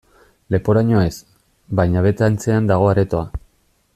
Leporaino ez, baina bete antzean dago aretoa.